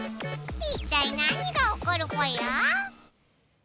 いったい何がおこるぽよ？